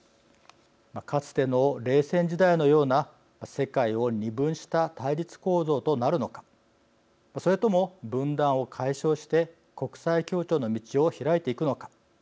かつての冷戦時代のような世界を二分した対立構造となるのかそれとも分断を解消して国際協調の道を開いていくのか。